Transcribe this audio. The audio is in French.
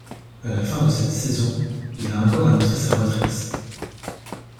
À la fin de cette saison, il a encore annoncé sa retraite.